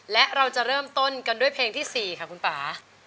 และเราจะเริ่มต้นกันด้วยเพลงที่๔ค่ะคุณป่า